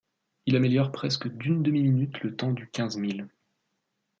Il améliore presque d'une demi-minute le temps du quinze miles.